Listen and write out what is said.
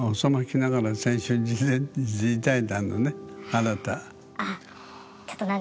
あなた。